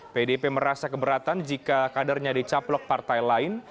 pdip merasa keberatan jika kadernya dicaplok partai lain